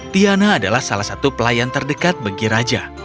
tiana adalah salah satu pelayan terdekat bagi raja